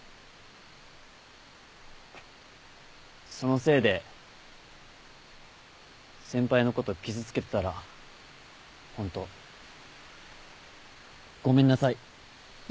そのせいで先輩のこと傷つけてたらホントごめんなさい。